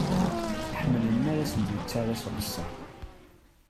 Ḥemmlen mi ara sen-d-yettara s uqesser.